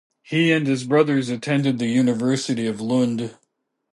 He and his brothers attended the University of Lund.